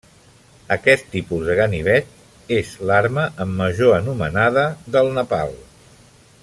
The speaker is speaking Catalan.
Aquest tipus de ganivet és l'arma amb major anomenada del Nepal.